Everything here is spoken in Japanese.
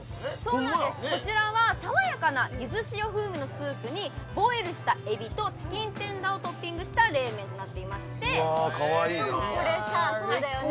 そうなんですこちらは爽やかなゆず塩風味のスープにボイルしたエビとチキンテンダーをトッピングした冷麺となっていましてうわあかわいいないやあうれしいね